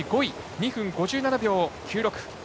２分５７秒９６。